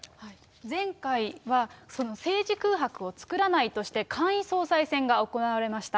前回は政治空白を作らないとして、簡易総裁選が行われました。